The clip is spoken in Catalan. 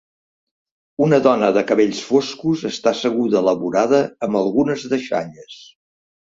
Una dona de cabells foscos està asseguda a la vorada amb algunes deixalles.